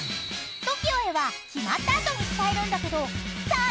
［ＴＯＫＩＯへは決まった後に伝えるんだけどさあ